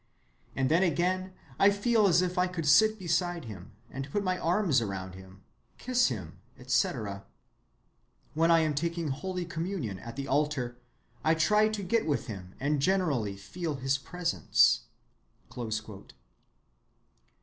And then again I feel as if I could sit beside him, and put my arms around him, kiss him, etc. When I am taking Holy Communion at the altar, I try to get with him and generally feel his presence."